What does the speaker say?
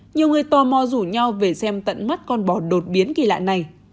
nhiều người tò mò rủ nhau về xem tận mắt con bò đột biến kỳ lạ này